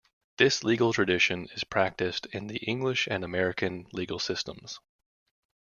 This legal tradition is practiced in the English and American legal systems.